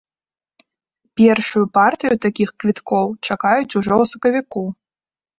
Першую партыю такіх квіткоў чакаюць ужо ў сакавіку.